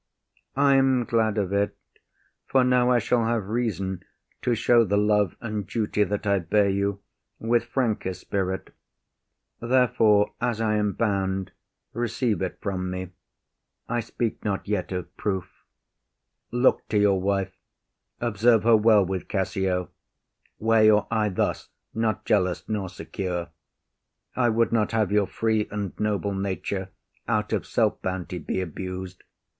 IAGO. I am glad of it, for now I shall have reason To show the love and duty that I bear you With franker spirit: therefore, as I am bound, Receive it from me. I speak not yet of proof. Look to your wife; observe her well with Cassio; Wear your eye thus, not jealous nor secure. I would not have your free and noble nature, Out of self bounty, be abus’d.